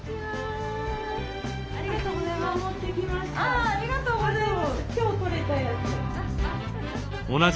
ありがとうございます。